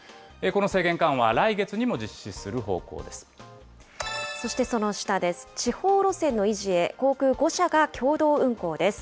この制限緩和、来月にも実施する方向です。